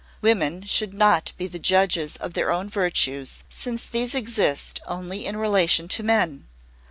Women should not be the judges of their own virtues, since these exist only in relation to men.